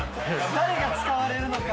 誰が使われるのか。